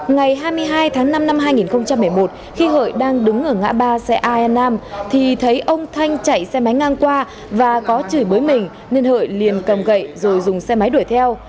ngày hai mươi hai tháng năm năm hai nghìn một mươi một khi hợi đang đứng ở ngã ba xe ai nam thì thấy ông thanh chạy xe máy ngang qua và có chửi bới mình nên hợi liền cầm gậy rồi dùng xe máy đuổi theo